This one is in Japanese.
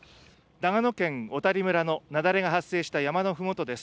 長野県小谷村の雪崩が発生した山のふもとです。